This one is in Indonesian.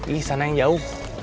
ih sana yang jauh